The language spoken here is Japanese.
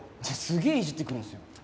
すげえいじってくるんですよ。